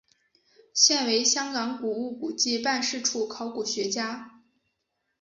现为香港古物古迹办事处考古学家。